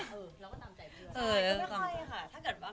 ไม่ค่อยอะค่ะถ้าเกิดเอากับเพื่อนกันเอง